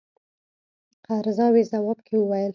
قرضاوي ځواب کې وویل.